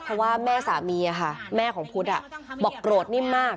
เพราะว่าแม่สามีแม่ของพุทธบอกโกรธนิ่มมาก